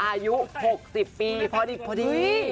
อายุ๖๐ปีพอดี